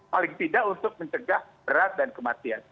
paling tidak untuk mencegah berat dan kematian